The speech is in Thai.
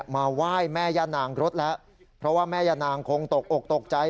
มาไหว้แม่ย่านางรถแล้วเพราะว่าแม่ย่านางคงตกอกตกใจ